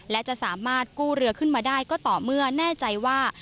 และจะสามารถกู้เรือขึ้นมาได้ก็ต่อเมื่อแน่ใจว่า